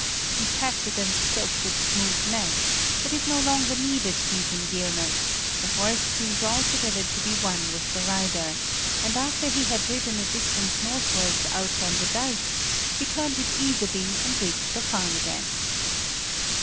He patted and stroked its smooth neck, but it no longer needed these endearments, the horse seemed altogether to be one with the rider, and after he had ridden a distance northwards out on the dike, he turned it easily and reached the farm again.